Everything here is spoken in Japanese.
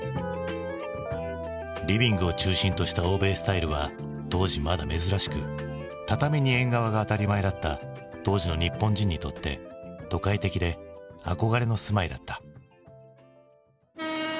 リビングを中心とした欧米スタイルは当時まだ珍しく「畳に縁側」が当たり前だった当時の日本人にとって都会的で憧れの住まいだった。